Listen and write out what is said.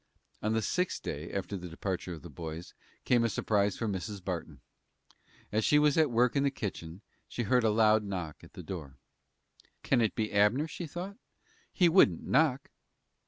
On the sixth day after the departure of the boys there came a surprise for Mrs. Barton. As she was at work in the kitchen, she heard a loud knock at the door. "Can it be Abner?" she thought. "He wouldn't knock."